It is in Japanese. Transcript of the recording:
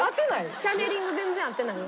チャネリング全然合ってないよ。